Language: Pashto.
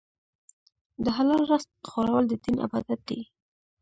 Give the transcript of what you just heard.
د حلال رزق خوړل د دین عبادت دی.